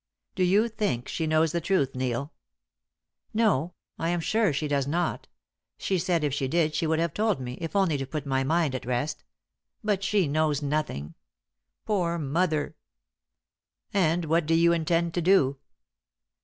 "Do you think she knows the truth, Neil?" "No; I am sure she does not. She said if she did she would have told me, if only to put my mind at rest. But she knows nothing. Poor mother!" "And what do you intend to do?"